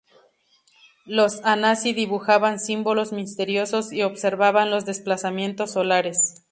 Los anasazi dibujaban símbolos misteriosos y observaban los desplazamientos solares.